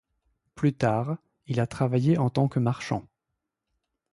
Plus tard, il a travaillé en tant que marchand.